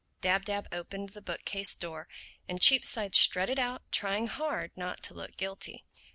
Dab Dab opened the bookcase door and Cheapside strutted out trying hard not to look guilty.